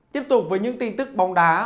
tiếp tục với những tin tức bóng đá